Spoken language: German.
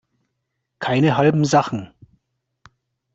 Keine halben Sachen.